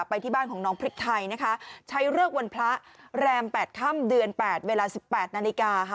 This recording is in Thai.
ไปที่บ้านของน้องพริกไทยนะคะใช้เลิกวันพระแรม๘ค่ำเดือน๘เวลา๑๘นาฬิกาค่ะ